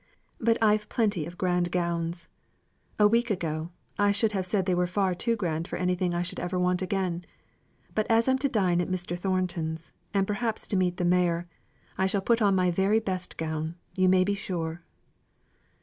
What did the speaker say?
But I've plenty of grand gowns, a week ago, I should have said they were far too grand for anything I should ever want here. But as I'm to dine at Mr. Thornton's, and perhaps to meet the mayor, I shall put on my very best gown, you may be sure."